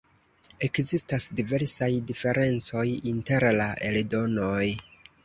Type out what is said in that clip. Ekzistas diversaj diferencoj inter la eldonoj.